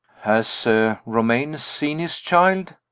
"Has Romayne seen his child?"